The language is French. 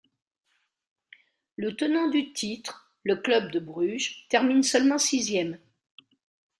Le tenant du titre, le Club de Bruges, termine seulement sixième.